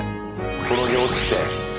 転げ落ちて。